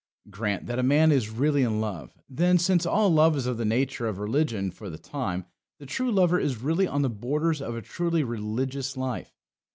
Grant that a man is really in love; then, since all love is of the nature of religion, for the time, the true lover is really on the borders of a truly religious life.